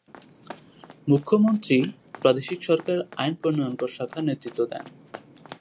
মুখ্যমন্ত্রী প্রাদেশিক সরকারের আইন-প্রণয়নকর শাখার নেতৃত্ব দেন।